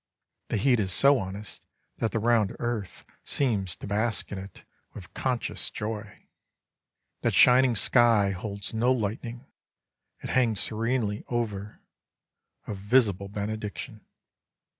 The heat is so honest that the round earth seems to bask in it with conscious joy. That shining sky hides no lightning. It hangs serenely over a visible benediction.